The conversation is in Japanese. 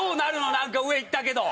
何か上行ったけど！